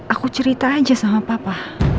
aku cerita aja sama papa